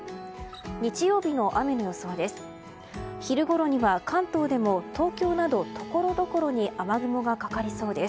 日曜日の雨の予想です。